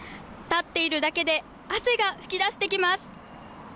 立っているだけで汗が噴き出してきます。